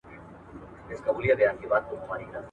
زه ستا سیوری لټومه ..